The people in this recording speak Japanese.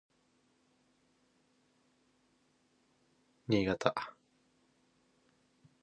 新潟